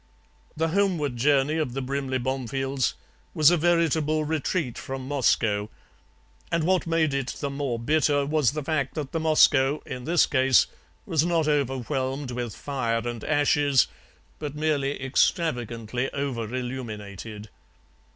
"The homeward journey of the Brimley Bomefields was a veritable retreat from Moscow, and what made it the more bitter was the fact that the Moscow, in this case, was not overwhelmed with fire and ashes, but merely extravagantly over illuminated.